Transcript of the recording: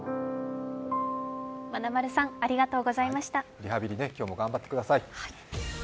リハビリ今日も頑張ってください。